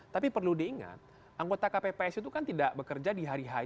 tapi perlu diingat anggota kpps itu kan tidak bekerja di hari h